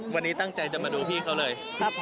วันนี้ตั้งใจจะมาดูพี่เขาเลย